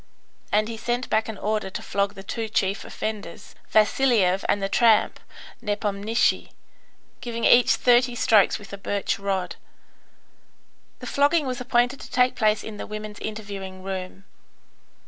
And he sent back an order to flog the two chief offenders, Vasiliev and the tramp, Nepomnishy, giving each thirty strokes with a birch rod. The flogging was appointed to take place in the women's interviewing room.